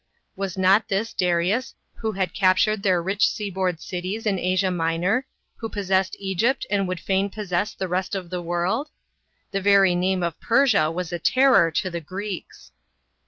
Was not this Darius, who had captured their rich seaboard cities in Asia Minor, who pos sessed Egypt and would fain possess the rest of the world ? The very name of Persia was a terror to the Greeks.